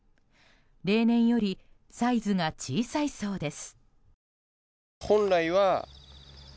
例年よりサイズが小さいそうです。